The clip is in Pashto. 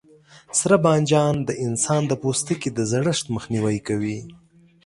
سره بانجان د انسان د پوستکي د زړښت مخنیوی کوي.